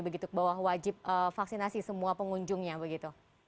bawah wajib vaksinasi semua pengunjungnya begitu